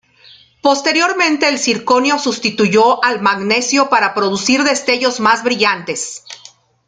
Posteriormente, el zirconio sustituyó al magnesio para producir destellos más brillantes.